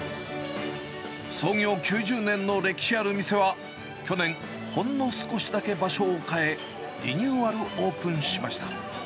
創業９０年の歴史ある店は、去年、ほんの少しだけ場所を変え、リニューアルオープンしました。